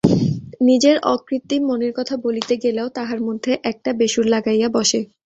নিজের অকৃত্রিম মনের কথা বলিতে গেলেও তাহার মধ্যে একটা বেসুর লাগাইয়া বসে।